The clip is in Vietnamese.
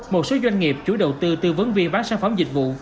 một số doanh nghiệp chủ đầu tư tư vấn viên bán sản phẩm dịch vụ